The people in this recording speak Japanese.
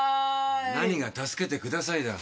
助けてください！